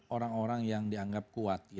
orang orang yang dianggap kuat